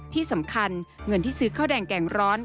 ที่สำคัญเงินที่ซื้อข้าวแดงแกงร้อน